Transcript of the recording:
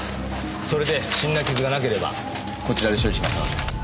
それで不審な傷がなければこちらで処理しますので。